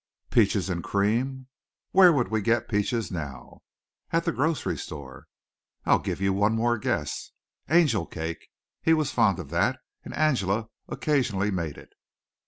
"Peaches and cream." "Where would we get peaches now?" "At the grocery store." "I'll give you one more guess." "Angel cake!" He was fond of that, and Angela occasionally made it.